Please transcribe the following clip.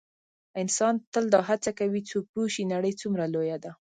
انسان تل دا هڅه کړې څو پوه شي نړۍ څومره لویه ده.